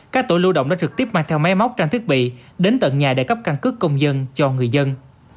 các tổ lưu động đã trực tiếp mang theo máy móc trang thiết bị đến tận nhà để cấp căn cước công dân cho người dân